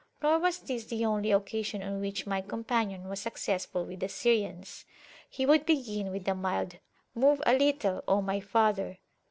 Nor was this the only occasion on which my [p.133] companion was successful with the Syrians. He would begin with a mild Move a little, O my father!